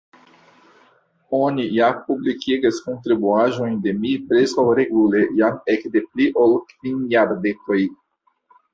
Oni ja publikigas kontribuaĵojn de mi preskaŭ regule jam ekde pli ol kvin jardekoj.